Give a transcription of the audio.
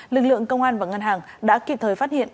lực lượng công an và ngân hàng đã kịp thời phát hiện